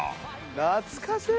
懐かしい！